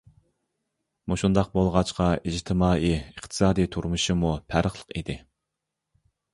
مۇشۇنداق بولغاچقا ئىجتىمائىي، ئىقتىسادىي تۇرمۇشىمۇ پەرقلىق ئىدى.